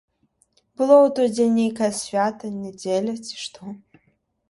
Было ў той дзень нейкае свята, нядзеля, ці што.